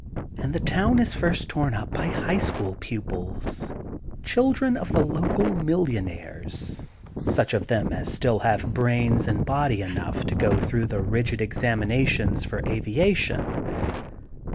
And the town is first torn np by High School pupils, children of the local mnltimillionaires, such of them as still have brains and body enough to go through the rigid examinations for aviation.